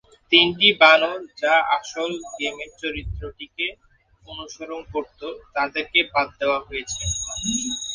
তিনটি বানর যা আসল গেমে চরিত্রটিকে অনুসরণ করত তাদেরকে বাদ দেওয়া হয়েছে।